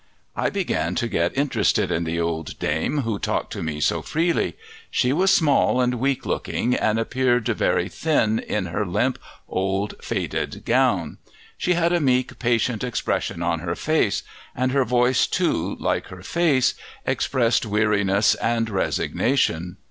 I began to get interested in the old dame who talked to me so freely. She was small and weak looking, and appeared very thin in her limp, old, faded gown; she had a meek, patient expression on her face, and her voice, too, like her face, expressed weariness and resignation.